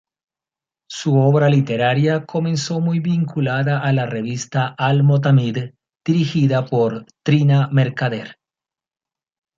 Su obra literaria comenzó muy vinculada a la revista "Al-Motamid", dirigida por Trina Mercader.